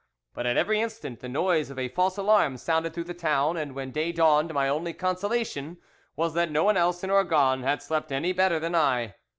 But at every instant the noise of a false alarm sounded through the town, and when day dawned my only consolation was that no one else in Orgon had slept any better than I.